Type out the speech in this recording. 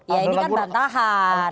ya ini kan bantahan